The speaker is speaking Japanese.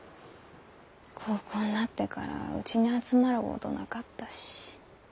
高校んなってからうちに集まるごどなかったし。